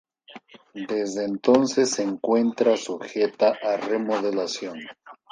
Desde entonces se encuentra sujeta a remodelación.